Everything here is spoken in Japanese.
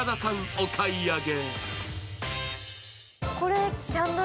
お買い上げ。